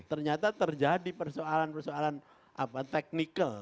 ternyata terjadi persoalan persoalan technical